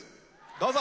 どうぞ。